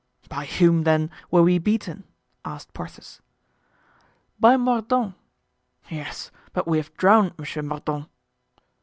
"By whom, then, were we beaten?" asked Porthos. "By Mordaunt." "Yes, but we have drowned Monsieur Mordaunt."